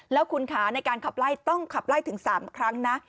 แล้วคุณขาในการขับไล่ต้องขับไล่ถึง๓ครั้งนะ